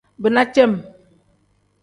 Bina cem.